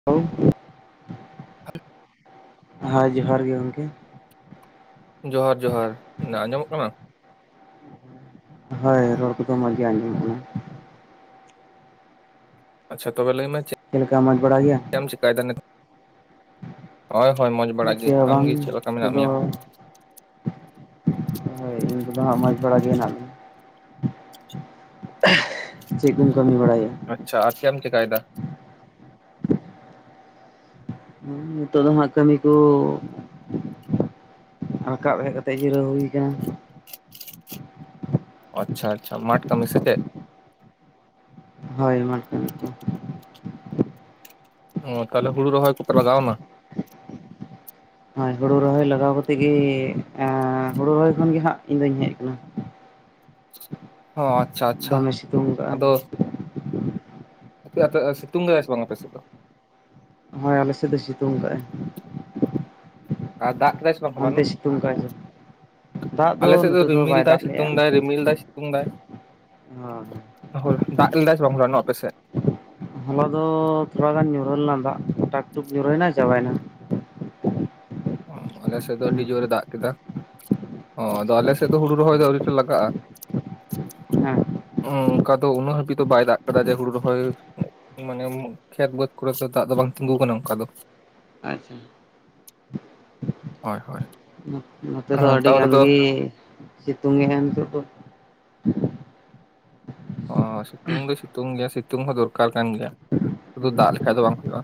[unintelligible] [inaudible] ᱦᱚᱭ ᱡᱚᱦᱟᱨ ᱜᱮ ᱜᱚᱝᱠᱮ ᱡᱚᱦᱟᱨ ᱡᱚᱦᱟᱨ ᱟᱸᱡᱚᱢᱚᱜ ᱠᱟᱱᱟ? ᱦᱳᱭ ᱨᱚᱲ ᱠᱚᱫᱚ ᱢᱚᱸᱡᱽ ᱜᱮ ᱟᱸᱡᱚᱢᱚᱜ ᱠᱟᱱᱟ ᱟᱪᱪᱷᱟ ᱛᱚᱵᱮ ᱞᱟᱹᱭ ᱢᱮ ᱪᱮᱫ ᱪᱮᱫ ᱞᱮᱠᱟ ᱢᱚᱡ ᱵᱟᱲᱟ ᱜᱮᱭᱟ? ᱪᱮᱫ ᱮᱢ ᱪᱮᱠᱟᱭᱫᱟ ᱱᱤᱛ? ᱦᱳᱭ ᱦᱳᱭ ᱢᱚᱸᱡᱽ ᱵᱟᱲᱟ ᱜᱮ, ᱪᱮᱫ ᱦᱚᱸ ᱵᱟᱝ ᱟᱢᱜᱮ ᱪᱮᱫ ᱞᱮᱠᱟ ᱢᱮᱱᱟᱜ ᱠᱚᱫᱚ ᱢᱮᱭᱟ? ᱦᱳᱭ ᱤᱧ ᱠᱚᱫᱚ ᱦᱟᱜ ᱢᱚᱡᱽ ᱵᱟᱲᱟ ᱜᱮ ᱦᱮᱱᱟᱜ ᱞᱤᱧᱟ ᱪᱮᱫ ᱠᱚᱢ ᱠᱟᱹᱢᱤ ᱵᱟᱲᱟᱭᱮᱜ-ᱟ? ᱟᱪᱪᱷᱟ ᱟᱨ ᱪᱮᱫ ᱮᱢ ᱪᱮᱠᱟᱭ ᱫᱟ? ᱱᱤᱛᱳᱜ ᱫᱚ ᱦᱟᱸᱜ ᱠᱟᱹᱢᱤ ᱠᱚ ᱨᱟᱠᱟᱵ ᱦᱮᱡ ᱠᱟᱛᱮᱜ ᱡᱤᱨᱟᱹᱣ ᱦᱩᱭ ᱠᱟᱱᱟ ᱟᱪᱪᱷᱟ ᱟᱪᱪᱷᱟ ᱢᱟᱴᱷ ᱠᱟᱹᱢᱤ ᱥᱮ ᱪᱮᱫ? ᱦᱳᱭ ᱢᱟᱴᱷ ᱠᱟᱹᱢᱤ ᱠᱚ ᱚ ᱛᱟᱞᱦᱮ ᱦᱩᱲᱩ ᱨᱚᱦᱚᱭ ᱠᱚᱯᱮ ᱞᱟᱜᱟᱣ ᱱᱟ? ᱦᱳᱭ ᱦᱩᱲᱩ ᱨᱚᱦᱚᱭ ᱞᱟᱜᱟᱣ ᱠᱟᱛᱮᱫ ᱜᱮ, ᱦᱩᱲᱩ ᱨᱚᱦᱚᱭ ᱠᱷᱚᱱ ᱜᱮ ᱦᱟᱸᱜ ᱤᱧ ᱫᱩᱧ ᱦᱮᱡ ᱟᱠᱟᱱᱟ ᱦᱚᱸ ᱟᱪᱪᱷᱟ ᱟᱪᱪᱷᱟ ᱫᱚᱢᱮ ᱥᱤᱛᱩᱝ ᱠᱟᱜᱼᱟ ᱟᱯᱮ ᱟᱯᱮ ᱥᱤᱛᱩᱝ ᱠᱟᱫᱟ ᱥᱮ ᱵᱟᱝ ᱟᱯᱮ ᱥᱮᱫ ᱫᱚ? ᱦᱳᱭ ᱟᱞᱮ ᱥᱮᱫ ᱫᱚᱭ ᱥᱤᱛᱩᱝ ᱠᱟᱜᱼᱟᱭ ᱟᱨ ᱫᱟᱜ ᱞᱮᱫᱟᱭ ᱥᱮ ᱵᱟᱝ ᱚᱱᱛᱮ ᱦᱚᱞᱟᱱᱚᱜ? ᱥᱤᱛᱩᱝ ᱠᱟᱜᱼᱟᱭ ᱥᱮ ᱫᱟᱜ ᱟᱞᱮ ᱥᱮᱫ ᱫᱚ ᱱᱚᱛᱮ ᱨᱤᱢᱤᱞ ᱵᱟᱭ ᱫᱟᱭ ᱫᱟᱜ ᱞᱮᱜᱼᱟ ᱥᱤᱛᱩᱝ ᱫᱟᱭ ᱨᱤᱢᱤᱞ ᱫᱟᱭ ᱼᱼᱛᱩᱝ ᱫᱟᱭ ᱦᱳᱭ ᱾ ᱫᱟᱜ ᱞᱮᱫᱟᱭ ᱥᱮ ᱵᱟᱝ ᱦᱚᱞᱟᱱᱚᱜ ᱟᱯᱮ ᱥᱮᱫ? ᱦᱚᱞᱟ ᱫᱚ ᱛᱷᱚᱲᱟ ᱜᱟᱱ ᱧᱩᱨᱦᱟᱹ ᱞᱮᱱᱟ ᱫᱟᱜ ᱴᱟᱠ ᱴᱩᱠ ᱧᱩᱨᱦᱟᱹᱭᱱᱟ ᱪᱟᱵᱟᱭᱱᱟ ᱚ ᱟᱞᱮ ᱥᱮᱫ ᱫᱚ ᱩᱱᱤ᱾ ᱟᱹᱰᱤ ᱡᱳᱨᱮ ᱫᱟᱜ ᱠᱮᱫᱟ ᱚ ᱟᱫᱚ ᱟᱞᱮ ᱥᱮᱫ ᱫᱚ ᱦᱩᱲᱩ ᱨᱚᱦᱚᱭ ᱫᱚ ᱟᱹᱣᱨᱤᱴᱟ ᱞᱟᱜᱟᱜᱼᱟ ᱦᱮᱸ ᱚᱱᱠᱟ ᱫᱚ ᱩᱱᱟᱹᱜ ᱦᱟᱹᱵᱤᱡ ᱫᱚ ᱵᱟᱭ ᱫᱟᱜ ᱠᱟᱫᱟ ᱡᱮ ᱦᱩᱲᱩ ᱨᱚᱦᱚᱭ ᱢᱟᱱᱮ ᱠᱷᱮᱛ ᱵᱟᱹᱫᱽ ᱠᱚᱨᱮ ᱫᱚ ᱫᱟᱜ ᱫᱚ ᱵᱟᱝ ᱛᱤᱸᱜᱩ ᱟᱠᱟᱱᱟ ᱚᱱᱠᱟ ᱫᱚ ᱟᱪᱪᱷᱟ ᱦᱳᱭ ᱦᱳᱭ ᱱᱚᱛᱮ ᱫᱚ ᱟᱹᱰᱤ ᱛᱟᱣ ᱜᱟᱱ ᱨᱮᱫᱚ ᱜᱮ ᱥᱤᱛᱩᱝ ᱮᱜᱼᱟ ᱱᱤᱛᱚᱜ ᱫᱚ᱾ ᱚ ᱥᱤᱛᱩᱝ ᱫᱚ ᱥᱤᱛᱩᱝ ᱜᱮᱭᱟ ᱥᱤᱛᱩᱝ ᱦᱚᱸ ᱫᱚᱨᱠᱟᱨ ᱠᱟᱱ ᱜᱮᱭᱟ, ᱥᱩᱫᱩ ᱫᱟᱜ ᱞᱮᱠᱷᱟᱡ ᱫᱚ ᱵᱟᱝ ᱦᱩᱭᱩᱜᱼᱟ᱾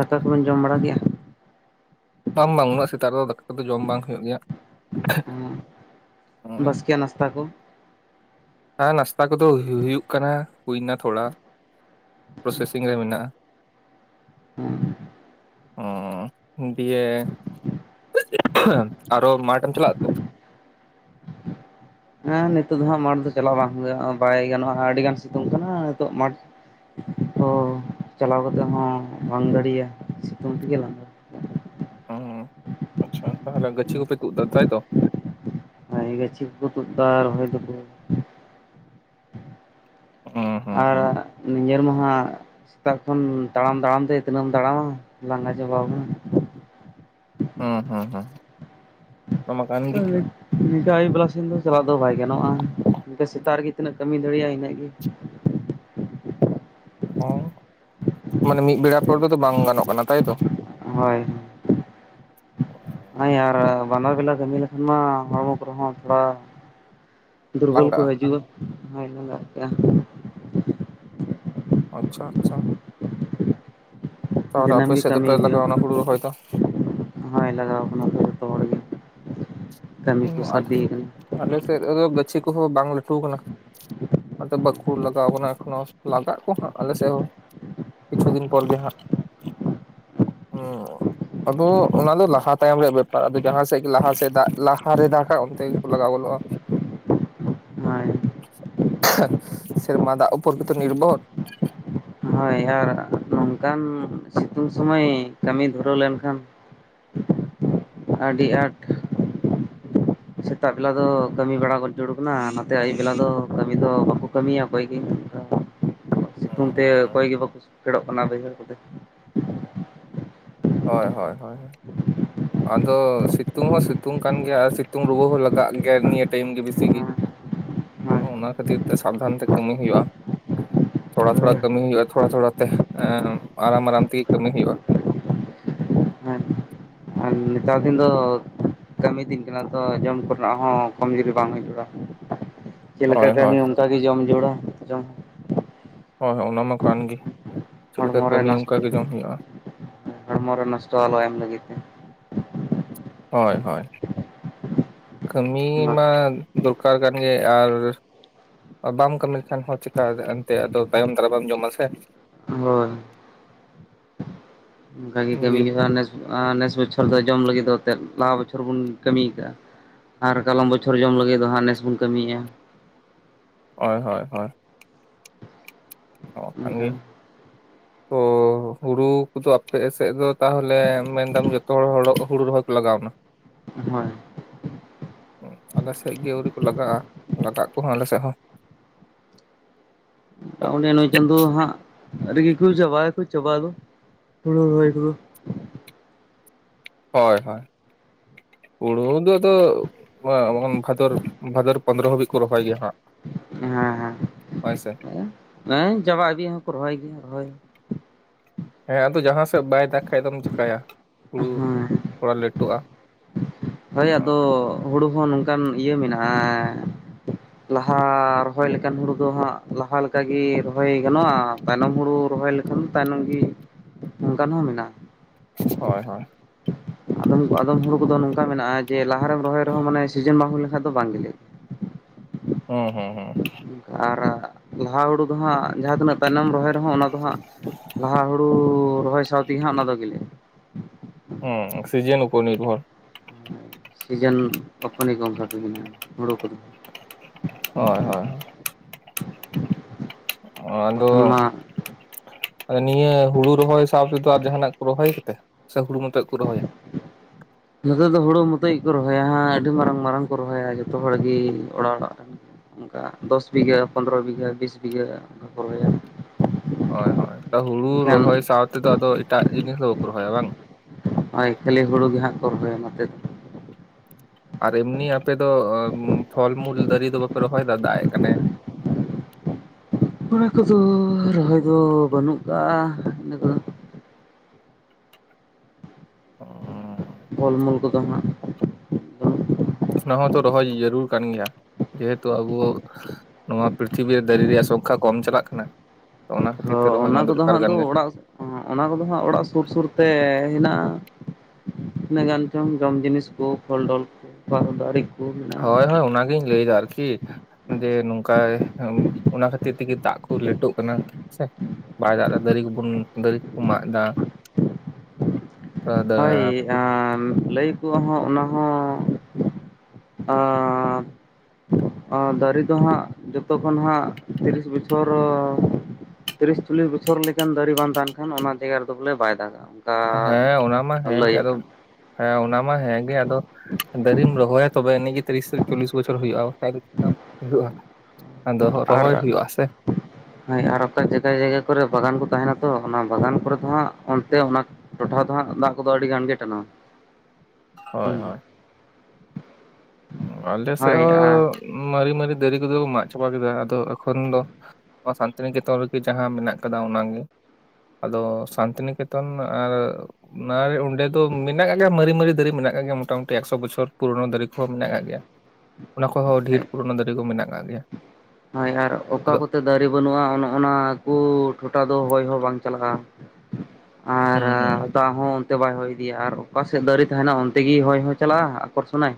ᱫᱟᱠᱟ ᱠᱚᱵᱮᱱ ᱡᱚᱢ ᱵᱟᱲᱟ ᱠᱮᱜᱼᱟ? ᱵᱟᱝ ᱵᱟᱝ ᱩᱱᱟᱹᱜ ᱥᱮᱛᱟᱜ ᱨᱮᱫᱚ ᱫᱟᱠᱟ ᱠᱚ ᱫᱚ ᱡᱚᱢ ᱵᱟᱝ ᱦᱩᱭᱩᱜ ᱜᱮᱭᱟ᱾ ᱱᱚᱜᱼᱚᱭ ᱵᱟᱥᱠᱮᱭᱟᱜ ᱱᱟᱥᱛᱟ ᱠᱚ? ᱦᱮᱸ ᱱᱟᱥᱛᱟ ᱠᱚᱫᱚ ᱦᱩᱭᱩᱜ ᱠᱟᱱᱟ ᱦᱩᱭ ᱮᱱᱟ ᱛᱷᱚᱲᱟ᱾ ᱯᱨᱚᱥᱮᱥᱤᱝ ᱨᱮ ᱢᱮᱱᱟᱜᱼᱟ᱾ ᱦᱮᱸ ᱚᱻ ᱫᱤᱭᱮ ᱟᱨᱚ ᱢᱟᱴᱷ ᱮᱢ ᱪᱟᱞᱟᱜᱼᱟ ᱛᱚ? ᱦᱮᱸ ᱱᱤᱛᱚᱜ ᱫᱚ ᱦᱟᱸᱜ ᱢᱟᱴᱷ ᱫᱚ ᱪᱟᱞᱟᱜ ᱵᱟᱝ ᱦᱩᱭᱩᱜᱼᱟ ᱵᱟᱭ ᱜᱟᱱᱚᱜᱼᱟ, ᱟᱹᱰᱤᱜᱟᱱ ᱥᱤᱛᱩᱝ ᱠᱟᱱᱟ ᱱᱤᱛᱚᱜ ᱢᱟᱴᱷ ᱚ ᱪᱟᱞᱟᱣ ᱠᱟᱛᱮᱜ ᱦᱚᱸ ᱵᱟᱝ ᱫᱟᱲᱤᱭᱟ ᱥᱤᱛᱩᱝ ᱛᱮᱜᱮ ᱞᱟᱸᱜᱟ᱾ ᱚ ᱟᱪᱪᱷᱟ ᱛᱟᱦᱞᱮ ᱜᱟᱹᱪᱷᱤ ᱠᱚᱯᱮ ᱛᱩᱜ ᱫᱟ ᱛᱟᱭᱛᱚ? ᱦᱳᱭ ᱜᱟᱪᱷᱤ ᱠᱚᱠᱚ ᱛᱩᱫ ᱫᱟ ᱨᱚᱦᱚᱭ ᱫᱚᱠᱚ᱾ ᱚᱸ ᱟᱨ ᱱᱤᱡᱮᱨ ᱢᱟ ᱦᱟᱸᱜ ᱥᱮᱛᱟᱜ ᱠᱷᱚᱱ ᱛᱟᱲᱟᱢ ᱛᱟᱲᱟᱢ ᱛᱮ ᱛᱤᱱᱟᱹᱜ ᱮᱢ ᱛᱟᱲᱟᱢᱟ ᱞᱟᱸᱜᱟ ᱪᱟᱵᱟᱣ ᱠᱟᱱᱟ᱾ ᱦᱩᱸ ᱦᱩᱸ ᱦᱩᱸ ᱚᱱᱟ ᱢᱟ ᱠᱟᱱ ᱜᱮ [unintelligible] ᱤᱱᱠᱟᱹ ᱟᱹᱭᱩᱵ ᱵᱮᱞᱟ ᱥᱮᱱ ᱫᱚ ᱪᱟᱞᱟᱜ ᱫᱚ ᱵᱟᱭ ᱜᱟᱱᱚᱜᱼᱟ, ᱤᱱᱠᱟ ᱥᱮᱛᱟᱜ ᱨᱮᱜᱮ ᱛᱤᱱᱟᱹᱜ ᱠᱟᱹᱢᱤ ᱫᱟᱲᱮᱭᱟᱜᱼᱟ ᱤᱱᱟᱹᱜ ᱜᱮ᱾ ᱚ ᱢᱟᱱᱮ ᱢᱤᱜ ᱵᱮᱲᱟ ᱯᱚᱨ ᱫᱚᱛᱚ ᱵᱟᱝ ᱜᱟᱱᱚᱜ ᱠᱟᱱᱟ ᱛᱟᱭᱛᱚ? ᱦᱳᱭ ᱦᱟᱸᱭᱟᱨ ᱵᱟᱱᱟᱨ ᱵᱮᱞᱟ ᱠᱟᱹᱢᱤ ‌ᱞᱮᱠᱷᱟᱱ ᱢᱟ‌ ᱦᱚᱲᱢᱚᱵᱠᱚᱨᱮ ᱦᱚᱸ ᱛᱷᱚᱲᱟ ᱫᱩᱨᱵᱚᱞ ᱠᱚ ᱞᱟᱸᱜᱟᱜᱼᱟ ᱦᱤᱡᱩᱜᱼᱟ ᱦᱚᱭ ᱦᱚᱸ ᱞᱟᱹᱠᱛᱤᱜᱼᱟ᱾ ᱟᱪᱪᱷᱟ ᱟᱪᱪᱷᱟ [unintelligible] ᱫᱤᱱᱟᱹᱢ ᱟᱯᱮ ᱜᱮ ᱥᱮᱫ ᱠᱟᱹᱢᱤ ᱫᱚᱯᱮ ᱦᱩᱭᱩᱜᱼᱟ ᱞᱟᱜᱟᱣᱱᱟ ᱦᱩᱲᱩ ᱨᱚᱦᱚᱭ ᱫᱚ? ᱦᱳᱭ ᱞᱟᱜᱟᱣ ᱠᱟᱱᱟ ᱡᱚᱛᱚ ᱦᱚᱲᱜᱮ᱾ ᱤᱝ ᱦᱚᱸ ᱟᱞ ᱟᱞᱮ ᱥᱮᱫ ᱨᱮᱫᱚ ᱜᱟᱹᱪᱷᱤ ᱠᱚᱦᱚᱸ ᱵᱟᱝ ᱞᱟᱹᱴᱩᱣ ᱠᱟᱱᱟ᱾ ᱟᱫᱚ ᱵᱟᱹᱠᱩ ᱞᱟᱜᱟᱣ ᱠᱟᱱᱟ ᱮᱠᱷᱚᱱᱚ ᱞᱟᱜᱟᱜ ᱠᱚ ᱦᱟᱸᱜ ᱟᱞᱮᱥᱮᱜ ᱦᱚᱸ᱾ ᱠᱤᱪᱷᱩ ᱫᱤᱱ ᱯᱚᱨ ᱜᱮ ᱦᱟᱸᱜ᱾ ᱚᱸ ᱟᱫᱚ ᱚᱱᱟ ᱫᱚ ᱞᱟᱦᱟ ᱛᱟᱭᱚᱢ ᱨᱮᱭᱟᱜ ᱵᱮᱯᱟᱨ ᱟᱫᱚ ᱡᱟᱦᱟᱸ ᱥᱮᱜ ᱜᱮ ᱞᱟᱦᱟ ᱥᱮᱜ ᱫᱟᱜ ᱞᱟᱦᱟᱨᱮ ᱫᱟᱜᱟ ᱚᱱᱛᱮ ᱜᱮᱠᱚ ᱞᱟᱜᱟᱣ ᱜᱚᱫᱚᱜᱼᱟ᱾ ᱦᱚᱭ ᱥᱮᱨᱢᱟ ᱫᱟᱜ ᱩᱯᱚᱨ ᱜᱮᱛᱚ ᱱᱤᱨᱵᱷᱚᱨ᱾ ᱦᱳᱭ ᱟᱨ ᱱᱚᱝᱠᱟᱱ ᱥᱤᱛᱩᱝ ᱥᱩᱢᱟᱭ ᱠᱟᱹᱢᱤ ᱫᱷᱩᱨᱟᱹᱣ ᱞᱮᱱᱠᱷᱟᱱ ᱟᱹᱰᱤ ᱟᱴ [unintelligible] ᱥᱮᱛᱟᱜ ᱵᱮᱞᱟ ᱫᱚ ᱠᱟᱹᱢᱤ ᱵᱟᱲᱟ ᱜᱚᱫ ᱡᱚᱲᱩ ᱠᱟᱱᱟ, ᱱᱚᱛᱮ ᱟᱹᱭᱩᱵ ᱵᱮᱞᱟ ᱫᱚ ᱠᱟᱹᱢᱤ ᱫᱚ ᱵᱟᱠᱚ ᱠᱟᱹᱢᱤᱭᱟ ᱚᱠᱚᱭ ᱜᱮ᱾ ᱥᱤᱛᱩᱝ ᱛᱮ ᱚᱠᱚᱭ ᱜᱮ ᱵᱟᱠᱚ ᱯᱷᱮᱰᱚᱜ ᱠᱟᱱᱟ ᱵᱟᱹᱭᱦᱟᱹᱲ ᱠᱚᱛᱮ᱾ ᱦᱚᱭ ᱦᱚᱭ ᱦᱚᱭ ᱦᱚᱭ ᱟᱫᱚ ᱥᱤᱛᱩᱝ ᱦᱚᱸ ᱥᱤᱛᱩᱝ ᱠᱟᱱ ᱜᱮᱭᱟ ᱟᱨ ᱥᱤᱛᱩᱝ ᱨᱩᱣᱟᱹ ᱦᱚᱸ ᱞᱟᱜᱟᱜ ᱜᱮᱭᱟ ᱱᱤᱭᱟᱹ ᱴᱟᱭᱤᱢ ᱜᱮ ᱵᱤᱥᱤᱜᱤ᱾ ᱚᱱᱟ ᱠᱷᱟᱹᱛᱤᱨ ᱛᱮ ᱥᱟᱵᱫᱷᱟᱱ ᱛᱮ ᱠᱟᱹᱢᱤ ᱦᱩᱭᱩᱜᱼᱟ᱾ ᱛᱷᱚᱲᱟ ᱛᱷᱚᱲᱟ ᱠᱟ. ᱢᱤ ᱦᱩᱭᱩᱜᱼᱟ ᱛᱷᱚᱲᱟ ᱛᱷᱚᱲᱟ ᱛᱮ ᱮᱸ ᱟᱨᱟᱢ ᱟᱨᱟᱢ ᱛᱮᱜᱮ ᱠᱟ. ᱢᱤ ᱦᱩᱭᱩᱜᱼᱟ᱾ ᱦᱮᱸ ᱟᱨ ᱱᱮᱛᱟᱨ ᱫᱤᱱ ᱫᱚ ᱠᱟᱹᱢᱤ ᱫᱤᱱ ᱠᱟᱱᱟ ᱛᱚ ᱡᱚᱢ ᱠᱚᱨᱮᱱᱟᱜ ᱦᱚᱸ ᱠᱚᱢ ᱡᱩᱨᱤ ᱵᱟᱝ ᱦᱤᱡᱩᱜᱼᱟ᱾ ᱪᱮᱫ ᱞᱮᱠᱟ ᱦᱳᱭ ᱠᱟᱹᱢᱤ ᱚᱱᱠᱟᱜ ᱜᱮ ᱡᱚᱢ ᱡᱚᱲᱟ ᱡᱚᱢ ᱦᱚᱸ᱾ ᱦᱚᱭ ᱦᱚᱭ ᱚᱱᱟᱢᱟ ᱠᱟᱱ ᱜᱮ ᱪᱮᱫᱞᱮᱠᱟ ᱦᱚᱲᱢᱚ ᱨᱮ ᱠᱟᱹᱢᱤ ᱚᱝᱠᱟ ᱱᱚᱥᱴᱚ ᱜᱮ ᱡᱚᱢ ᱦᱩᱭᱩᱜᱼᱟ᱾ ᱦᱚᱲᱢᱚ ᱨᱮ ᱱᱚᱥᱴᱚ ᱟᱞᱚ ᱮᱢ ᱞᱟᱹᱜᱤᱫ ᱛᱮ᱾ ᱦᱳᱭ ᱦᱳᱭ ᱠᱟᱹᱢᱤ ᱢᱟ ᱫᱚᱨᱠᱟᱨ ᱠᱟᱱ ᱜᱮ ᱟᱨ ᱵᱟᱢ ᱠᱟᱹᱢᱤ ᱞᱮᱠᱷᱟᱱ ᱦᱚᱸ ᱪᱮᱠᱟ ᱮᱱᱛᱮ ᱟᱫᱚ ᱛᱟᱭᱚᱢ ᱫᱟᱨᱟ ᱢᱮᱢ ᱡᱚᱢᱟ ᱥᱮ᱾ ᱦᱳᱭ ᱚᱱᱠᱟ ᱜᱮ ᱠᱟᱹᱢᱤ ᱫᱤᱭᱮ ᱦᱩᱭᱩᱜᱼᱟ ᱱᱮ ᱱᱮᱥ ᱵᱚᱪᱷᱚᱨ ᱫᱚ ᱡᱚᱢ ᱞᱟᱹᱜᱤᱫ ᱫᱚ ᱮ ᱞᱟᱦᱟ ᱵᱚᱪᱷᱚᱨ ᱵᱚᱱ ᱠᱟᱹᱢᱤ ᱠᱟᱜᱼᱟ ᱟᱨ ᱠᱟᱞᱚᱢ ᱵᱚᱪᱷᱚᱨ ᱡᱚᱢ ᱞᱟᱹᱜᱤᱫ ᱫᱚ ᱦᱟᱸᱜ ᱱᱮᱥ ᱵᱚᱱ ᱠᱟᱹᱢᱤᱭᱮᱫᱼᱟ ᱦᱳᱭ ᱦᱳᱭ ᱦᱳᱭ ᱱᱚ ᱠᱟᱱ ᱜᱮ ᱚᱱᱠᱟ ᱛᱚ ᱦᱩᱲᱩ ᱠᱚᱫᱚ ᱟᱯᱮ ᱥᱮᱫ ᱫᱚ ᱛᱟᱦᱚᱞᱮ ᱢᱮᱱᱫᱟᱢ ᱡᱚᱛᱚ ᱦᱚᱲ ᱦᱩᱲᱩ ᱨᱚᱦᱚᱭ ᱠᱚ ᱞᱟᱜᱟᱣ ᱱᱟ ᱦᱳᱭ ᱟᱞᱮᱥᱮᱫ ᱜᱮ ᱟᱹᱣᱨᱤ ᱠᱚ ᱞᱟᱜᱟᱜᱼᱟ ᱞᱟᱜᱟᱜ ᱠᱚᱦᱚᱸ ᱟᱞᱮᱥᱮᱫ ᱦᱚᱸ ᱚᱸᱰᱮ ᱱᱩᱭ ᱪᱟᱸᱫᱳ ᱦᱟᱸᱜ ᱟᱹᱰᱤᱜᱮᱠᱚ ᱪᱟᱵᱟᱭᱟᱠᱚ ᱪᱟᱵᱟᱟᱭ ᱫᱚ ᱦᱩᱲᱩ ᱨᱚᱦᱚᱭ ᱠᱚᱫᱚ ᱦᱳᱭ ᱦᱳᱭ ᱦᱩᱲᱩ ᱫᱚ ᱟᱫᱚ ᱚᱱ ᱵᱷᱟᱫᱚᱨ ᱵᱷᱟᱫᱚᱨ ᱯᱚᱫᱨᱚ ᱦᱟᱹᱵᱤᱡ ᱠᱚ ᱨᱚᱦᱚᱭ ᱜᱮᱭᱟ ᱦᱟᱸᱜ ᱦᱮᱸ ᱦᱮᱸ ᱦᱳᱭ ᱥᱮ ᱦᱮᱸ ᱡᱟᱵᱟᱟᱭ ᱤᱫᱤᱭᱟ ᱠᱚ ᱦᱚᱸᱠᱚ ᱨᱚᱦᱚᱭ ᱜᱮᱭᱟ ᱨᱚᱦᱚᱭ ᱦᱮᱸ ᱟᱫᱚ ᱡᱟᱦᱟᱸ ᱥᱮᱫ ᱵᱟᱭ ᱫᱟᱜ ᱠᱷᱟᱡ ᱫᱚᱢ ᱪᱤᱠᱟᱭᱟ ᱦᱩᱲᱩ ᱦᱮᱸ ᱛᱷᱚᱲᱟ ᱞᱮᱴᱚᱜᱼᱟ ᱦᱳᱭ ᱟᱫᱚ ᱦᱩᱲᱩ ᱦᱚᱸ ᱱᱚᱝᱠᱟᱱ ᱤᱭᱟᱹ ᱢᱮᱱᱟᱜᱼᱟ ᱞᱟᱦᱟ ᱨᱚᱦᱚᱭ ᱞᱮᱠᱟᱱ ᱦᱩᱲᱩ ᱫᱚ ᱦᱟᱸᱜ ᱞᱟᱦᱟᱠᱟᱜᱮ ᱨᱚᱦᱚᱭ ᱜᱟᱱᱚᱜᱼᱟ ᱛᱟᱭᱱᱚᱢ ᱦᱩᱲᱩ ᱨᱚᱦᱚᱭ ᱞᱮᱠᱷᱟᱱ ᱛᱟᱭᱱᱚᱢ ᱜᱮ ᱚᱱᱠᱟᱱ ᱦᱚᱸ ᱢᱮᱱᱟᱜᱼᱟ ᱦᱳᱭ ᱦᱳᱭ ᱟᱫᱚᱢ ᱟᱫᱚᱢ ᱦᱳᱲᱳ ᱠᱚᱫᱚ ᱱᱚᱝᱠᱟ ᱢᱮᱱᱟᱜᱼᱟ ᱡᱮ ᱞᱟᱦᱟ ᱨᱮᱢ ᱨᱚᱦᱚᱭ ᱨᱮᱦᱚᱸ ᱢᱟᱱᱮ ᱥᱤᱡᱤᱱ ᱵᱟᱝ ᱦᱩᱭ ᱞᱮᱱᱠᱷᱟᱱ ᱫᱚ ᱵᱟᱝ ᱜᱮᱞᱮᱜ-ᱟ ᱦᱩᱸ ᱦᱩᱸ ᱦᱩᱸ ᱟᱨ ᱞᱟᱦᱟ ᱦᱩᱲᱩ ᱫᱚᱦᱟᱸᱜ ᱡᱟᱦᱟᱸ ᱛᱤᱱᱟᱹᱜ ᱛᱟᱭᱱᱚᱢ ᱨᱚᱦᱚᱭ ᱨᱮᱦᱚᱸ ᱚᱱᱟ ᱫᱚ ᱦᱟᱸᱜ ᱞᱟᱦᱟ ᱦᱩᱲᱩ ᱨᱚᱦᱚᱭ ᱥᱟᱶᱛᱮᱜᱮ ᱦᱟᱜ ᱚᱱᱟ ᱫᱚ ᱜᱮᱞᱮᱜ-ᱟ ᱦᱩ ᱦᱩ ᱥᱤᱡᱮᱱ ᱩᱯᱚᱨ ᱱᱤᱨᱵᱷᱚᱨ ᱥᱤᱡᱤᱱ ᱚᱯᱚᱱᱤ ᱠᱚ ᱚᱱᱠᱟ ᱛᱟᱦᱮᱱᱟ ᱦᱩᱲᱳ ᱠᱚᱫᱚ ᱦᱳᱭ ᱦᱳᱭ ᱚᱻ ᱟᱫᱚ ᱵᱟᱠᱷᱟᱱ ᱢᱟ ᱟᱫᱚ ᱱᱤᱭᱟᱹ ᱦᱩᱲᱩ ᱨᱚᱦᱚᱭ ᱥᱟᱶ ᱛᱮᱫᱚ ᱟᱨ ᱡᱟᱦᱟᱱᱟᱜ ᱠᱚ ᱨᱚᱦᱚᱭ ᱠᱟᱛᱮ ᱥᱮ ᱦᱩᱲᱩ ᱢᱚᱛᱚᱡ ᱠᱚ ᱨᱚᱦᱚᱭᱟ ᱱᱚᱛᱮ ᱫᱚ ᱦᱩᱲᱩ ᱢᱚᱛᱚᱡ ᱜᱮᱠᱚ ᱨᱚᱦᱚᱭᱟ ᱦᱟᱜ ᱟᱹᱰᱤ ᱢᱟᱨᱟᱝ ᱢᱟᱨᱟᱝ ᱠᱚ ᱨᱚᱦᱚᱭᱟ ᱡᱚᱛᱚ ᱦᱚᱲ ᱜᱮ ᱚᱲᱟᱜ ᱚᱲᱟᱜ ᱨᱮᱱ ᱚᱱᱠᱟ ᱫᱚᱥ ᱵᱤᱜᱷᱟᱹ ᱯᱚᱱᱫᱽᱨᱚ ᱵᱤᱜᱷᱟᱹ ᱵᱤᱥ ᱵᱤᱜᱷᱟᱹ ᱚᱱᱠᱟ ᱠᱚ ᱨᱚᱦᱚᱭᱟ ᱦᱳᱭ ᱦᱳᱭ ᱛᱚ ᱦᱩᱲᱩ ᱮᱱᱠᱷᱟᱱ ᱨᱚᱦᱚᱭ ᱥᱟᱶᱛᱮ ᱫᱚ ᱟᱫᱚ ᱮᱴᱟᱜ ᱡᱤᱱᱤᱥ ᱫᱚ ᱵᱟᱠᱚ ᱨᱚᱦᱚᱭᱟ ᱵᱟᱝ ᱦᱳᱭ ᱠᱷᱟᱹᱞᱤ ᱦᱩᱲᱩ ᱜᱮ ᱦᱟᱜ ᱠᱚ ᱨᱚᱦᱚᱭᱟ ᱱᱚᱛᱮ ᱫᱚ ᱟᱨ ᱮᱢᱱᱤ ᱟᱯᱮ ᱫᱚ ᱯᱷᱚᱞᱢᱩᱞ ᱫᱟᱨᱮ ᱫᱚ ᱵᱟᱯᱮ ᱨᱚᱦᱚᱭᱮᱫᱟ ᱫᱟᱜ ᱮᱫ ᱠᱟᱱᱮ ᱠᱚᱲᱟ ᱠᱚᱫᱚ ᱨᱚᱦᱚᱭ ᱫᱚ ᱵᱟᱹᱱᱩᱜ ᱠᱟᱜᱼᱟ ᱤᱱᱟ ᱫᱚ ᱯᱷᱚᱞᱢᱚᱞ ᱠᱚᱫᱚ ᱦᱟᱜ ᱚᱱᱟ ᱦᱚᱸᱛᱚ ᱨᱚᱦᱚᱭ ᱡᱟᱹᱨᱩᱲ ᱠᱟᱱ ᱜᱮᱭᱟ ᱡᱮᱦᱮᱛᱩ ᱟᱵᱚ ᱱᱚᱣᱟ ᱯᱨᱤᱛᱷᱤᱵᱤᱨ ᱨᱮ ᱫᱟᱨᱮᱹ ᱨᱮᱭᱟᱜ ᱥᱚᱝᱠᱷᱟ ᱠᱚᱢ ᱪᱟᱞᱟᱜ ᱠᱟᱱᱟ ᱛᱚ ᱚᱱᱟ ᱠᱷᱟᱹᱛᱤᱨ ᱛᱷᱟ ᱛᱮ ᱨᱚᱦᱚᱭ ᱢᱟ ᱚᱱᱟ ᱠᱚᱫᱚ ᱫᱚᱨᱠᱟᱨ ᱦᱟᱸᱜ ᱠᱟᱱ ᱫᱚ ᱜᱮ ᱚᱲᱟᱜ ᱚᱱᱟ ᱠᱚᱫᱚ ᱦᱟᱸᱜ ᱚᱲᱟᱜ ᱥᱩᱨ ᱥᱩᱨ ᱛᱮ ᱦᱮᱱᱟᱜᱼᱟ ᱛᱤᱤᱱᱟᱹᱜ ᱜᱟᱱ ᱪᱚᱝ ᱡᱚᱢ ᱡᱤᱱᱤᱥ ᱠᱚ ᱯᱷᱚᱞ-ᱰᱚᱞ ᱠᱚ ᱫᱟᱨᱮ ᱠᱚ ᱢᱮᱱᱟᱜᱼᱟ ᱦᱳᱭ ᱦᱳᱭ ᱚᱱᱟᱜᱤᱧ ᱞᱟᱹᱭᱮᱫᱟ ᱟᱨᱠᱤ ᱡᱮ ᱟᱪᱪᱷᱟ ᱱᱚᱝᱠᱟᱭ ᱚᱱᱟ ᱠᱷᱟᱹᱛᱤᱨ ᱛᱮᱜᱮ ᱫᱟᱜ ᱠᱚ ᱞᱮᱴᱳᱜ ᱠᱟᱱᱟ ᱥᱮ ᱵᱟᱭ ᱫᱟᱜ ᱮᱫᱟ ᱫᱟᱨᱮ ᱠᱚᱵᱚᱱ ᱫᱟᱨᱮ ᱠᱚᱵᱚᱱ ᱢᱟᱜ ᱮᱫᱟ ᱦᱳᱭ ᱞᱟᱹᱭ ᱟᱠᱚ ᱦᱚᱸ ᱚᱱᱟ ᱦᱚᱸ ᱚᱼᱼ ᱫᱟᱨᱮ ᱫᱚ ᱦᱟᱸᱜ ᱡᱚᱛᱚ ᱠᱷᱚᱱ ᱦᱟᱸᱜ ᱛᱤᱨᱤᱥ ᱵᱚᱪᱷᱚᱨ ᱛᱤᱨᱤᱥ ᱪᱚᱞᱞᱤᱥ ᱵᱚᱪᱷᱚᱨ ᱞᱮᱠᱟᱱ ᱫᱟᱨᱮ ᱵᱟᱝ ᱛᱟᱦᱮᱱ ᱠᱷᱟᱱ ᱚᱱᱟ ᱡᱟᱭᱜᱟ ᱨᱮᱫᱚ ᱵᱚᱞᱮ ᱵᱟᱭ ᱫᱟᱜᱟ ᱦᱮᱸ ᱚᱱᱟ ᱢᱟ ᱦᱮᱸᱜᱮ ᱞᱟᱹᱭᱮᱫ ᱟᱫᱚ ᱠᱟᱱ ᱦᱮᱸ ᱚᱱᱟ ᱢᱟ ᱦᱮᱸᱜᱮ ᱟᱫᱚ ᱫᱟᱨᱮᱢ ᱨᱚᱦᱚᱭᱟ ᱛᱚᱵᱮ ᱟᱱᱤᱡ ᱜᱮ ᱛᱤᱨᱤᱥ ᱪᱚᱞᱞᱤᱥ ᱵᱚᱪᱷᱚᱨ ᱦᱩᱭᱩᱜᱼᱟ ᱫᱟ ᱪᱮᱠᱟ ᱦᱩᱭᱩᱜᱼᱟ ᱟᱫᱚ ᱟᱨ ᱨᱚᱦᱚᱭ ᱦᱩᱭᱩᱜ ᱟ-ᱥᱮ ᱦᱳᱭ ᱟᱨ ᱚᱠᱟ ᱡᱟᱭᱟᱭ ᱡᱟᱭᱜᱟ ᱠᱚᱨᱮ ᱵᱟᱜᱟᱱ ᱠᱚ ᱛᱟᱦᱮᱱᱟ ᱛᱚ ᱚᱱᱟ ᱵᱟᱜᱟᱱ ᱠᱚᱨᱮ ᱫᱚ ᱦᱟᱸᱜ ᱚᱱᱛᱮ ᱚᱱᱟ ᱴᱚᱴᱷᱟ ᱫᱚ ᱦᱟᱸᱟᱜ ᱫᱟᱜ ᱠᱚᱫᱚ ᱟᱹᱰᱤ ᱜᱟᱱ ᱜᱮ ᱴᱟᱱᱟᱣᱟ ᱦᱳᱭ ᱦᱳᱭ ᱟᱞᱮ ᱥᱮᱫ ᱦᱳᱭ ᱦᱚᱸ ᱟᱨ ᱢᱟᱨᱮ ᱢᱟᱨᱮ ᱫᱟᱨᱮ ᱠᱚᱫᱚ ᱠᱚ ᱢᱟᱜ ᱪᱟᱵᱟ ᱠᱮᱫᱟ ᱟᱫᱚ ᱮᱠᱷᱚᱱ ᱫᱚ ᱱᱚᱣᱟ ᱥᱟᱱᱛᱤᱱᱤᱠᱮᱛᱚᱱ ᱨᱮᱜᱮ ᱡᱟᱦᱟᱸ ᱢᱮᱱᱟᱜ ᱟᱠᱟᱫᱟ ᱚᱱᱟ ᱜᱮ ᱟᱫᱚ ᱥᱟᱱᱛᱤᱱᱤᱠᱮᱛᱚᱱ ᱟᱨ ᱚᱱᱟ ᱚᱸᱰᱮ ᱫᱚ ᱢᱮᱱᱟᱜ ᱟᱠᱟᱫ ᱜᱮᱭᱟ ᱢᱟᱨᱮ ᱢᱟᱨᱮ ᱫᱟᱨᱮ ᱢᱮᱱᱟᱜ ᱟᱠᱟᱫ ᱜᱮᱭᱟ ᱢᱚᱴᱟᱢᱩᱴᱤ ᱮᱠᱥᱚ ᱵᱚᱪᱷᱚᱨ ᱯᱩᱨᱚᱱᱳ ᱫᱟᱨᱮ ᱠᱚ ᱠᱚ ᱢᱮᱱᱟᱜ ᱟᱠᱟᱫ ᱜᱮᱭᱟ ᱚᱱᱟ ᱠᱷᱚᱡ ᱦᱚᱸ ᱰᱷᱮᱨ ᱯᱩᱨᱚᱱᱳ ᱫᱟᱨᱮ ᱠᱚ ᱢᱮᱱᱟᱜ ᱟᱠᱟᱫ ᱜᱮᱭᱟ ᱦᱳᱭ ᱟᱨ ᱚᱠᱟ ᱟᱫᱚ ᱠᱚᱛᱮ ᱫᱟᱨᱮ ᱵᱟᱹᱱᱩᱜᱼᱟ ᱚᱱᱮ ᱚᱱᱟ ᱠᱚ ᱴᱷᱚᱴᱟ ᱫᱚ ᱦᱚᱭ ᱦᱚᱸ ᱵᱟᱝ ᱪᱟᱞᱟᱜᱼᱟ ᱟᱨ ᱦᱩᱸ ᱦᱩᱸ ᱫᱟᱜ ᱦᱚᱸ ᱚᱱᱛᱮ ᱵᱟᱭ ᱦᱚᱭ ᱤᱫᱤᱭᱟ ᱟᱨ ᱚᱠᱟᱥᱮᱫ ᱫᱟᱨᱮ ᱛᱟᱦᱮᱱᱟ ᱚᱱᱛᱮ ᱜᱮ ᱦᱚᱭ ᱦᱚᱸᱭ ᱪᱟᱞᱟᱜᱼᱟ ᱟᱠᱚᱨᱥᱚᱱᱟᱭ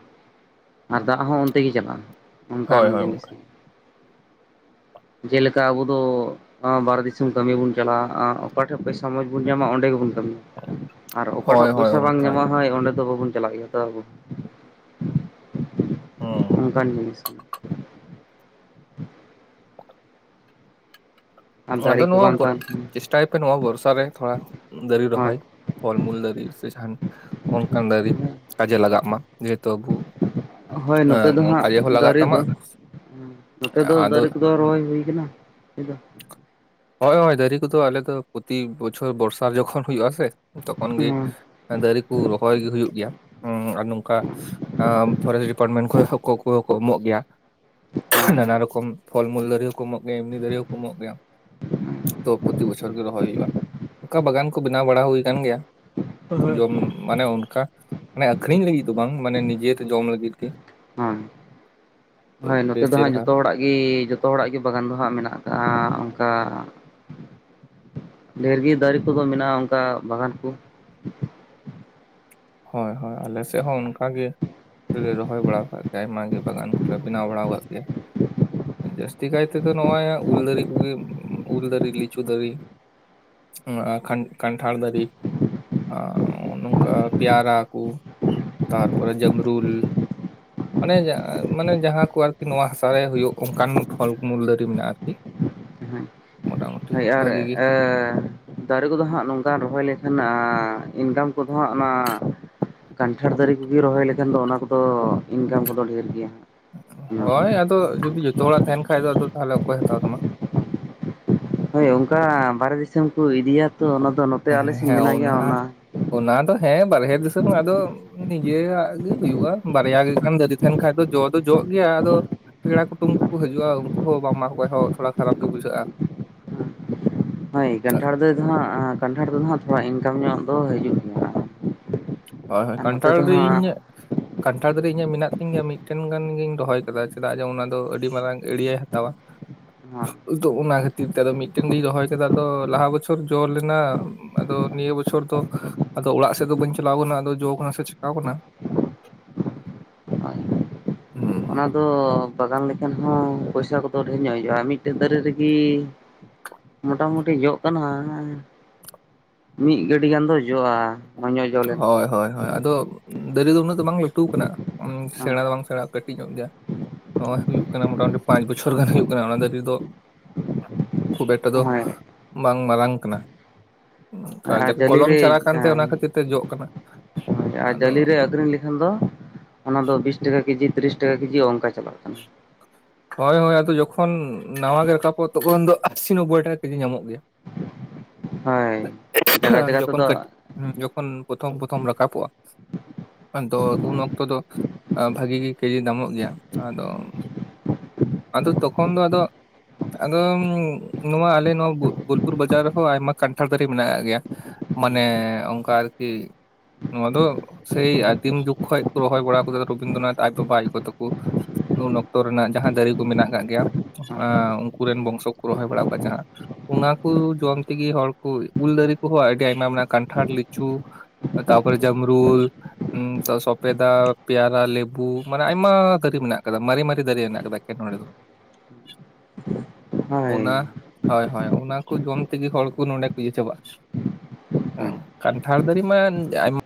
ᱟᱨ ᱫᱟᱜ ᱦᱚᱸ ᱚᱱᱛᱮ ᱜᱮ ᱪᱟᱞᱟᱜᱼᱟ ᱚᱱᱠᱟᱱ ᱦᱳᱭ ᱦᱳᱭ ᱡᱤᱱᱤᱥ ᱚᱱᱠᱟ ᱠᱟᱱᱟ ᱡᱮᱞᱮᱠᱟ ᱟᱵᱚ ᱫᱚ ᱵᱟᱨᱦᱮ ᱫᱤᱥᱚᱢ ᱠᱟᱹᱢᱤ ᱵᱚᱱ ᱪᱟᱞᱟᱜᱼᱟ ᱚᱠᱟ ᱴᱷᱮᱱ ᱯᱚᱭᱥᱟ ᱢᱚᱸᱡ ᱵᱚᱱ ᱧᱟᱢᱟ ᱚᱸᱰᱮ ᱜᱮᱵᱚᱱ ᱠᱟᱹᱢᱤᱭᱟ ᱟᱨ ᱦᱳᱭ ᱚᱠᱟᱴᱷᱟᱜ ᱦᱳᱭ ᱯᱚᱭᱥᱟ ᱵᱟᱝ ᱚᱱᱠᱟ ᱜᱮ ᱧᱟᱢᱚᱜᱼᱟ ᱦᱳᱭ ᱚᱱᱠᱟ ᱚᱸᱰᱮ ᱫᱚ ᱵᱟᱵᱚᱱ ᱪᱟᱞᱟᱜ ᱜᱮᱭᱟ ᱛᱚ ᱟᱵᱚ ᱦᱚᱸ ᱦᱩᱸ ᱚᱱᱠᱟᱱ ᱡᱤᱱᱤᱥ ᱠᱟᱱᱟ ᱟᱨ ᱫᱟᱨᱮ ᱟᱫᱚ ᱱᱚᱭᱟ ᱵᱟᱝ ᱠᱚ ᱛᱟᱦᱮᱱ ᱠᱷᱟᱱ ᱪᱮᱥ ᱴᱟᱭᱤᱯᱮ ᱱᱚᱣᱟ ᱵᱚᱨᱥᱟᱨ ᱨᱮ ᱛᱷᱚᱲᱟ ᱫᱟᱨᱤ ᱦᱳᱭ ᱨᱚᱦᱚᱭ ᱯᱷᱚᱞ ᱢᱩᱞ ᱫᱟᱨᱤ ᱥᱮ ᱡᱟᱦᱟᱱ ᱚᱱᱠᱟᱱ ᱫᱟᱨᱮ ᱠᱟᱡᱮ ᱞᱟᱜᱟᱜ ᱢᱟ ᱡᱮᱦᱮᱛᱩ ᱟᱵᱚ ᱦᱳᱭ ᱱᱚᱛᱮ ᱫᱚ ᱮᱸ ᱦᱟᱸᱜ ᱠᱟᱡᱮ ᱦᱚᱸ ᱞᱟᱜᱟᱜ ᱫᱟᱨᱮ ᱫᱚ ᱛᱟᱢᱟ ᱱᱚᱛᱮ ᱫᱚ ᱟᱫᱚ ᱫᱟᱨᱮ ᱠᱚᱫᱚ ᱨᱚᱦᱚᱭ ᱦᱩᱭ ᱠᱟᱱᱟ ᱦᱩᱭ ᱫᱚ ᱦᱳᱭ ᱦᱳᱭ ᱫᱟᱨᱤ ᱠᱚᱫᱚ ᱟᱞᱮ ᱫᱚ ᱯᱚᱛᱤ ᱵᱚᱪᱷᱚᱨ ᱵᱚᱨᱥᱟ ᱡᱚᱠᱷᱚᱱ ᱦᱩᱭᱩᱜ ᱟ-ᱥᱮ ᱛᱚᱠᱷᱚᱱ ᱜᱮ ᱦᱮᱸ ᱫᱟᱨᱮ ᱠᱟ ᱨᱚᱦᱚᱭ ᱜᱮ ᱦᱩᱭᱩᱜ ᱜᱮᱭᱟ ᱦᱩᱸ ᱟᱨ ᱱᱚᱝᱠᱟ ᱯᱷᱚᱨᱮᱥᱴ ᱰᱤᱯᱟᱨᱴᱢᱮᱱᱴ ᱠᱚ ᱠᱚ ᱮᱢᱚᱜ ᱜᱮᱭᱟ ᱦᱳᱭ ᱱᱟᱱᱟ ᱨᱚᱠᱚᱢ ᱯᱷᱚᱞ ᱢᱩᱞ ᱫᱟᱨᱮ ᱦᱚᱸ ᱠᱚ ᱮᱢᱚᱜ ᱜᱮᱭᱟ ᱮᱢᱱᱤ ᱫᱟᱨᱮ ᱦᱚᱸ ᱠᱚ ᱮᱢᱚᱜ ᱜᱮᱭᱟ ᱛᱚ ᱯᱚᱛᱤ ᱵᱚᱪᱷᱚᱨ ᱜᱮ ᱨᱚᱦᱚᱭ ᱦᱩᱭᱩᱜᱼᱟ ᱚᱱᱠᱟ ᱵᱟᱜᱟᱱ ᱠᱚ ᱵᱮᱱᱟᱣ ᱵᱟᱲᱟ ᱦᱩᱭ ᱟᱠᱟᱱ ᱜᱮᱭᱟ ᱡᱚᱢ ᱢᱟᱱᱮ ᱚᱱᱠᱟ ᱢᱟᱱᱮ ᱟᱠᱷᱨᱤᱧ ᱞᱟᱹᱜᱤᱫ ᱫᱚ ᱵᱟᱝ ᱢᱟᱱᱮ ᱱᱤᱡᱮᱛᱮ ᱡᱚᱢ ᱞᱟᱹᱜᱤᱫ ᱜᱮ ᱦᱮᱸ ᱛᱚ ᱦᱳᱭ ᱱᱚᱛᱮ ᱵᱮᱥ ᱫᱚ ᱦᱟᱸᱜ ᱪᱮᱨᱦᱟ ᱡᱚᱛᱚ ᱦᱚᱲᱟᱜ ᱜᱮ ᱜᱤ ᱡᱚᱛᱚ ᱦᱚᱲᱟᱜ ᱜᱤ ᱵᱟᱜᱟᱱ ᱫᱚ ᱦᱟᱸᱜ ᱢᱮᱱᱟᱜ ᱠᱟᱜᱼᱟ ᱚᱱᱠᱟ ᱰᱷᱮᱨ ᱜᱤ ᱫᱟᱨᱮ ᱠᱚᱫᱚ ᱢᱮᱱᱟᱜᱼᱟ ᱚᱱᱠᱟ ᱵᱟᱜᱟᱱ ᱠᱚ ᱦᱳᱭ ᱦᱳᱭ ᱟᱞᱮ ᱥᱮᱫ ᱦᱚᱸ ᱚᱱᱠᱟ ᱜᱮ ᱞᱮ ᱨᱚᱦᱚᱭ ᱵᱟᱲᱟᱣ ᱟᱠᱟᱫ ᱟᱭᱢ ᱜᱮ ᱵᱟᱜᱟᱱ ᱠᱚᱞᱮ ᱵᱮᱱᱟᱣ ᱵᱟᱲᱟᱣ ᱟᱠᱟᱫ ᱜᱮᱭᱟ ᱡᱟᱹᱥᱛᱤ ᱠᱟᱭ ᱛᱮᱫᱚ ᱱᱚᱜᱼᱚᱭ ᱩᱞ ᱫᱟᱨᱮ ᱠᱚᱜᱮ ᱩᱞ ᱫᱟᱨᱮ ᱞᱤᱪᱩ ᱫᱟᱨᱮ ᱦᱩᱸ ᱟᱨ ᱠᱟᱱᱴᱷᱟᱲ ᱫᱟᱨᱮ ᱱᱚᱝᱠᱟ ᱯᱮᱭᱟᱨᱟ ᱠᱚ ᱛᱟᱨᱯᱚᱨᱮ ᱡᱟᱢᱨᱩᱞ ᱢᱟᱱᱮ ᱢᱟᱱᱮ ᱡᱟᱦᱟᱸ ᱠᱚ ᱟᱨᱠᱤ ᱱᱚᱣᱟ ᱦᱟᱥᱟᱨᱮ ᱦᱳᱭᱳᱜ ᱚᱱᱠᱟᱱ ᱯᱷᱚᱞᱢᱩᱞ ᱫᱟᱨᱮ ᱢᱮᱱᱟᱜᱼᱟ ᱟᱨᱠᱤ [inaudible] ᱦᱮᱸ ᱢᱚᱴᱟᱢᱩᱴᱤ ᱦᱳᱭ ᱟᱨ ᱵᱷᱟᱜᱤ ᱜᱮ [unintelligible] ᱫᱟᱨᱮ ᱠᱚᱫᱚ ᱦᱟᱸᱜ ᱱᱚᱝᱠᱟ ᱨᱚᱦᱚᱭ ᱞᱮᱠᱷᱟᱱ ᱤᱱᱠᱟᱢ ᱠᱚᱫᱚ ᱦᱟᱸᱜ ᱚᱱᱟ ᱠᱟᱱᱴᱷᱟᱲ ᱫᱟᱨᱮ ᱠᱚ ᱜᱮ ᱨᱚᱦᱚᱭ ᱞᱮᱠᱷᱟᱱ ᱫᱚ ᱚᱱᱟ ᱠᱚ ᱫᱚ ᱤᱱᱠᱟᱢ ᱠᱚ ᱫᱚ ᱰᱷᱹᱮᱨ ᱜᱮᱭᱟ ᱦᱳᱭ ᱦᱟᱸᱜ ᱟᱫᱚ ᱡᱩᱫᱤ ᱡᱚᱛᱚ ᱦᱚᱲᱟᱜ ᱛᱟᱦᱮᱱ ᱠᱷᱟᱡ ᱫᱚ ᱟᱫᱚ ᱛᱟᱦᱞᱮ ᱚᱠᱚᱭ ᱦᱟᱛᱟᱣ ᱛᱟᱢᱟ ᱦᱳᱭ ᱚᱱᱠᱟ ᱵᱟᱨᱦᱮ ᱫᱤᱥᱚᱢ ᱠᱚ ᱤᱫᱤᱭᱟ ᱛᱚ ᱚᱱᱟ ᱫᱚ ᱱᱚᱛᱮ ᱟᱞᱮᱥᱮᱱ ᱢᱮᱱᱟᱜ ᱜᱮᱭᱟ ᱚᱱᱟ ᱚᱱᱟ ᱫᱚ ᱦᱮᱸ ᱵᱟᱨᱦᱮ ᱫᱤᱥᱚᱢ ᱦᱚᱸ ᱟᱫᱚ ᱱᱤᱡᱮ ᱨᱟᱜ ᱜᱮ ᱦᱩᱭᱩᱜᱼᱟ ᱵᱟᱨᱭᱟ ᱜᱟᱱ ᱫᱟᱨᱮ ᱛᱟᱦᱮᱱ ᱠᱷᱟᱱ ᱫᱚ ᱡᱚ ᱫᱚ ᱡᱚᱜ ᱜᱮᱭᱟ ᱟᱫᱚ ᱯᱮᱲᱟ ᱠᱩᱴᱩᱢ ᱠᱚᱠᱚ ᱦᱤᱡᱩᱜᱼᱟ ᱩᱱᱠᱩ ᱦᱚᱸ ᱵᱟᱢ ᱮᱢᱟᱠᱚ ᱠᱷᱟᱡ ᱦᱚᱸ ᱛᱷᱚᱲᱟ ᱠᱷᱟᱨᱟᱯ ᱜᱮ ᱵᱩᱡᱷᱟᱹᱜᱼᱟ ᱦᱳᱭ ᱦᱮᱸ, ᱠᱟᱱᱴᱷᱟᱲ ᱫᱚ ᱦᱟᱸᱜ ᱠᱟᱱᱴᱷᱟᱲ ᱫᱚ ᱦᱟᱸᱜ ᱛᱷᱚᱲᱟ ᱤᱱᱠᱟᱢ ᱧᱚᱜ ᱫᱚ ᱦᱤᱡᱩᱜ ᱜᱮᱭᱟ ᱦᱳᱭ ᱦᱳᱭ ᱟᱨ ᱱᱚᱛᱮ ᱠᱟᱱᱴᱷᱟᱲ ᱫᱚ ᱫᱟᱨᱮ ᱦᱟᱸᱜ ᱤᱧᱟᱹᱜ ᱠᱟᱱᱴᱷᱟ ᱫᱟᱨᱮ ᱤᱧᱟᱹᱜ ᱢᱮᱱᱟᱜ ᱛᱤᱧ ᱜᱮᱭᱟ ᱢᱤᱫ ᱴᱮᱱ ᱜᱟᱱ ᱜᱤᱧ ᱨᱚᱦᱚᱭ ᱟᱠᱟᱫᱟ ᱪᱮᱫᱟᱜ ᱡᱮ ᱚᱱᱟ ᱫᱚ ᱟᱹᱰᱤ ᱢᱟᱨᱟᱝ ᱮᱲᱤᱜᱟᱹᱭ ᱦᱟᱛᱟᱣᱟ ᱦᱳᱭ ᱟᱫᱚ ᱚᱱᱟ ᱠᱷᱟᱹᱛᱤᱨ ᱛᱮ ᱟᱫᱚ ᱢᱤᱫ ᱴᱮᱱ ᱜᱮᱧ ᱨᱚᱦᱚᱭ ᱠᱟᱫᱟ ᱟᱫᱚ ᱞᱟᱦᱟ ᱵᱚᱪᱷᱚᱨ ᱡᱚ ᱞᱮ ᱱᱟ ᱟᱫᱚ ᱱᱤᱭᱟᱹ ᱵᱚᱪᱷᱚᱨ ᱫᱚ ᱟᱫᱚ ᱚᱲᱟᱜ ᱥᱮᱫ ᱫᱚ ᱵᱟᱹᱧ ᱪᱟᱞᱟᱣ ᱠᱟᱱᱟ ᱟᱫᱚ ᱡᱚ ᱠᱟᱱᱟ ᱥᱮ ᱪᱷᱟᱠᱟᱣ ᱟᱠᱟᱱᱟ ᱦᱳᱭ ᱦᱩᱸ ᱦᱩᱸ ᱚᱱᱟ ᱫᱚ ᱵᱟᱜᱟᱱ ᱞᱮᱠᱷᱟᱱ ᱦᱚᱸ ᱯᱚᱭᱥᱟ ᱠᱚᱫᱚ ᱰᱷᱮᱨ ᱧᱚᱜ ᱦᱩᱭᱩᱜᱼᱟ ᱢᱤᱫᱴᱮᱡ ᱫᱟᱨᱮ ᱨᱮᱜᱮ ᱢᱚᱴᱟ ᱢᱩᱴᱤ ᱡᱚᱜ ᱠᱟᱱᱟ ᱢᱤᱫ ᱜᱟᱹᱰᱤ ᱜᱟᱱ ᱫᱚ ᱡᱚᱜᱼᱟ ᱢᱚᱡᱽ ᱧᱚᱜ ᱡᱚ ᱦᱳᱭ ᱦᱳᱭ ᱞᱮᱱᱠᱷᱟᱱ ᱦᱳᱭ ᱟᱫᱚ ᱫᱟᱨᱮ ᱫᱚ ᱩᱱᱟᱹᱜ ᱫᱚ ᱵᱟᱝ ᱞᱟᱹᱴᱩ ᱟᱠᱟᱱᱟ ᱥᱮᱬᱟ ᱫᱚ ᱵᱟᱝ ᱥᱮᱬᱟ ᱠᱟᱴᱤᱡ ᱧᱚᱜ ᱜᱮᱭᱟ ᱱᱚᱣᱟ ᱦᱩᱭᱩᱜ ᱠᱟᱱᱟ ᱢᱚᱴᱟ ᱢᱩᱴᱤ ᱯᱟᱸᱪ ᱵᱚᱪᱷᱚᱨ ᱜᱟᱱ ᱦᱩᱭᱩᱜ ᱠᱟᱱᱟ ᱚᱱᱟ ᱫᱟᱨᱮ ᱫᱚ ᱠᱷᱩᱵ ᱮᱠᱴᱟ ᱫᱚ ᱦᱳᱭ ᱵᱟᱝ ᱢᱟᱨᱟᱝ ᱠᱟᱱᱟ ᱟᱨ ᱡᱟᱹᱞᱤ ᱠᱚᱞᱚᱢ ᱨᱮ ᱪᱟᱨᱟᱜ ᱠᱟᱱ ᱛᱮ ᱚᱱᱟ ᱠᱷᱟᱹᱛᱤᱨ ᱛᱮ ᱡᱚᱜ ᱠᱟᱱᱟ ᱟᱫᱚ ᱟᱹᱠᱷᱨ ᱤᱧ ᱞᱮᱠᱷᱟᱱ ᱫᱚ ᱚᱱᱟ ᱫᱚ ᱵᱤᱥ ᱴᱟᱠᱟ ᱠᱮᱡᱤ ᱛᱤᱨᱤᱥ ᱴᱟᱠᱟ ᱠᱮᱡᱤ ᱚᱱᱠᱟ ᱪᱟᱞᱟᱜᱼᱟ ᱦᱳᱭ ᱦᱳᱭ ᱟᱫᱚ ᱡᱚᱠᱷᱚᱱ ᱱᱟᱣᱟ ᱜᱮ ᱨᱟᱠᱟ ᱵᱚᱜ ᱛᱚᱠᱷᱚᱱ ᱩᱱ ᱫᱚ ᱟᱥᱤ ᱱᱚᱵᱚᱭ ᱴᱟᱠᱟ ᱠᱮᱡᱤ ᱧᱟᱢᱚᱜ ᱜᱮᱭᱟ ᱦᱳᱭ ᱡᱟᱭᱜᱟ [unintelligible] ᱡᱟᱭᱜᱟ ᱛᱮᱫᱚ ᱦᱮᱸ ᱡᱚ ᱠᱷᱚᱱ ᱯᱨᱚᱛᱷᱚᱢ ᱯᱨᱚᱛᱷᱚᱢ ᱨᱟᱠᱟᱵ ᱚᱜᱼᱟ ᱟᱫᱚ ᱩᱱ ᱚᱠᱛᱚ ᱫᱚ ᱵᱷᱟᱜᱤ ᱜᱮ ᱠᱮᱡᱤ ᱫᱟᱢᱚᱜ ᱜᱮᱭᱟ ᱟᱫᱚ ᱟᱫᱚ ᱛᱚ ᱠᱷᱚᱱ ᱫᱚ ᱟᱫᱚ ᱟᱫᱚ ᱱᱚᱣᱟ ᱟᱞᱮ ᱱᱚᱣᱟ ᱵᱳᱞᱯᱩᱨ ᱵᱟᱡᱟᱨ ᱨᱮᱦᱚᱸ ᱟᱭᱢᱟ ᱠᱟᱱᱴᱷᱟᱲ ᱫᱟᱨᱮ ᱢᱮᱱᱟᱜ ᱜᱮᱭᱟ ᱢᱟᱱᱮ ᱚᱱᱠᱟ ᱟᱨᱠᱤ ᱱᱚᱣᱟ ᱫᱚ ᱥᱮᱭ ᱟᱹᱫᱤᱢ ᱡᱩᱜ ᱠᱷᱚᱱᱚᱡ ᱠᱚ ᱨᱚᱦᱚᱭ ᱵᱟᱲᱟ ᱟᱠᱟᱫᱟ ᱨᱚᱵᱤᱱᱫᱨᱚᱱᱟᱛᱷ ᱟᱡ ᱵᱟᱵᱟ ᱟᱡ ᱜᱚᱜᱚ ᱛᱟ ᱠᱚ ᱩᱱ ᱚᱠᱛᱚ ᱨᱮᱱᱟᱜ ᱡᱟᱦᱟᱸ ᱫᱟᱨᱮ ᱠᱚ ᱢᱮᱱᱟᱜ ᱟᱠᱟᱫ ᱜᱮᱭᱟ ᱩᱱᱠᱩ ᱨᱮᱱ ᱵᱚᱝᱥᱚ ᱠᱚ ᱨᱚᱦᱚᱭ ᱵᱟᱲᱟ ᱟᱠᱟᱫᱼᱟ ᱡᱟᱦᱟᱸ ᱚᱱᱟᱠᱚ ᱡᱚᱢ ᱛᱮ ᱜᱮ ᱦᱚᱲ ᱠᱚ ᱩᱞ ᱫᱟᱨᱮ ᱠᱚᱦᱚᱸ ᱟᱹᱰᱤ ᱟᱭᱢᱟ ᱟᱭᱢᱟ ᱠᱟᱱ ᱴᱷᱟᱲ ᱞᱤᱪᱩ ᱛᱟ ᱯᱚ ᱨᱮ ᱡᱟᱢ ᱨᱩ ᱦᱮᱸ ᱥᱚᱯᱮ ᱫᱟ ᱯᱮ ᱭᱟ ᱨᱟ ᱞᱮᱵᱩ ᱢᱟᱱᱮ ᱟᱭᱢᱟ ᱫᱟᱨᱮ ᱢᱮᱱᱟᱜ ᱟᱠᱟᱫᱟ ᱢᱟᱨᱮ ᱢᱟᱨᱮ ᱫᱟᱨᱮ ᱢᱮᱱᱟᱜ ᱟᱠᱟᱫᱟ ᱦᱳᱭ [unintelligible] ᱦᱳᱭ ᱦᱳᱭ ᱚᱱᱟ ᱠᱚ ᱡᱚᱢ ᱛᱮ ᱜᱮ ᱦᱚᱲ ᱠᱚ ᱱᱚᱰᱮ ᱠᱚ ᱤᱭᱟᱹ ᱪᱟᱵᱟᱜᱼᱟ ᱦᱮᱸ [unintelligible] ᱠᱟᱱᱴᱷᱟᱟᱲ ᱫᱟᱨᱤ ᱢᱟ ᱟᱭᱢᱟ